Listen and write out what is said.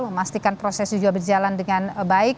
memastikan proses juga berjalan dengan baik